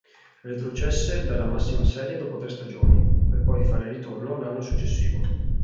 Retrocesse dalla massima serie dopo tre stagioni, per poi fare ritorno l'anno successivo.